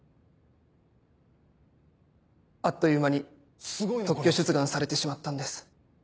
あっという間に特許出願されてしまったんです。